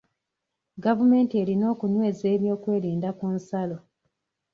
Gavumenti erina okunyweza eby'okwerinda ku nsalo.